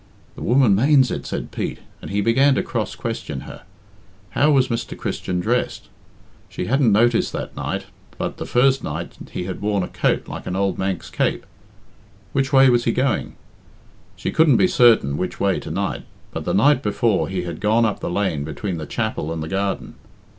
"The woman manes it," said Pete, and he began to cross question her. How was Mr. Christian dressed? She hadn't noticed that night, but the first night he had worn a coat like an old Manx cape. Which way was he going? She couldn't be certain which way to night but the night before he had gone up the lane between the chapel and the garden.